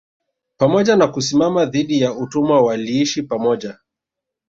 Pamoja na kusimama dhidi ya utumwa waliishi pamoja